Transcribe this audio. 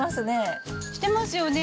してますね。